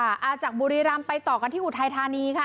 อืมค่ะจากบุรีรามไปต่อกันที่อุทัยธานีค่ะ